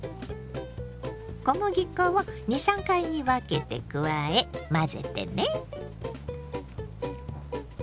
小麦粉を２３回に分けて加え混ぜてね。